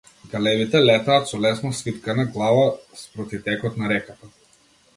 Галебите летаат со лесно свиткана глава спроти текот на реката.